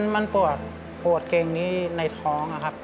มันปวดเกรงนี้ในท้องครับ